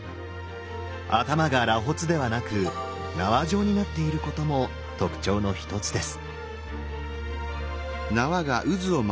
頭が螺髪ではなく縄状になっていることも特徴の一つです。